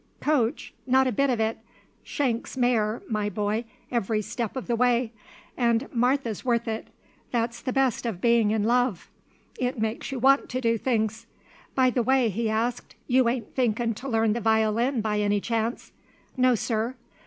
"Coach? Not a bit of it. Shank's mare, my boy, every step of the way; and Martha's worth it. That's the best of bein' in love; it makes you want to do things. By the way," he asked "you ain't thinkin' to learn the violin, by any chance?" "No, sir."